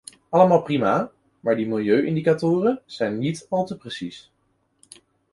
Allemaal prima, maar die milieu-indicatoren zijn niet al te precies.